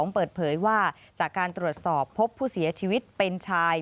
เปิดเผยว่าจากการตรวจสอบพบผู้เสียชีวิตเป็นชาย